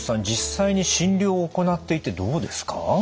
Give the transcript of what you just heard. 実際に診療を行っていてどうですか？